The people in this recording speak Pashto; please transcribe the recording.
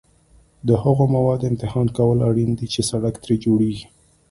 د هغو موادو امتحان کول اړین دي چې سړک ترې جوړیږي